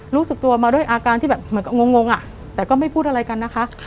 รู้สึกตัวมาด้วยอาการที่แบบเหมือนกับงงอ่ะแต่ก็ไม่พูดอะไรกันนะคะ